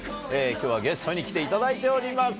きょうはゲストに来ていただいております。